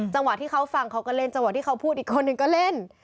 จังหวะที่เขาฟังเขาก็เล่นจังหวะที่เขาพูดอีกคนหนึ่งก็เล่น